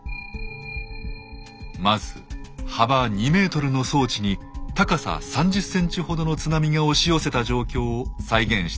まず幅２ｍの装置に高さ３０センチほどの津波が押し寄せた状況を再現してみます。